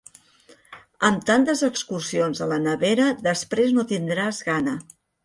Amb tantes excursions a la nevera després no tindràs gana!